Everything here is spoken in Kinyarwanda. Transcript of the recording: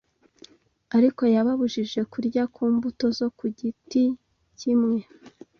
Ariko yababujije kurya ku mbuto zo ku giti kimwe